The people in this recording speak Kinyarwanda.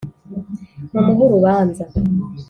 mumuhe urubanza